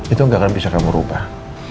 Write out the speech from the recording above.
itu gak akan bisa kamu ubah